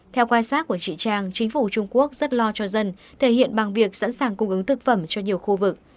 theo quan sát của chị trang chính phủ trung quốc rất lo cho dân thể hiện bằng việc sẵn sàng cung ứng thực phẩm cho nhiều khu vực